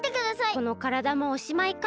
このからだもおしまいか。